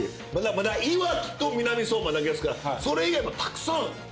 まだいわきと南相馬だけですからそれ以外もたくさん。